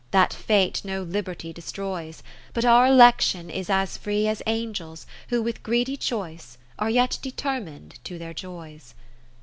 That Fate no liberty destroys, But our Election is as free As Angels', who with greedy choice Are yet determin'd to their joys.